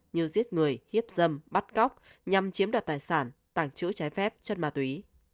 như giết người hiếp dâm bắt cóc nhằm chiếm đặt tài sản tảng chữ trái phép chân ma túy